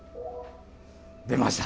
出ました。